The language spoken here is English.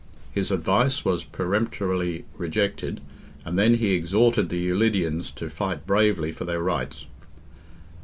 His advice was peremptorily rejected, and then he exhorted the Ulidians to fight bravely for their rights.